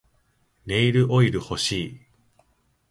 ネイルオイル欲しい